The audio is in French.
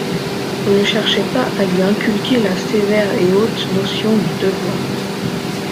Elle ne cherchait pas à lui inculquer la sévère et haute notion du devoir.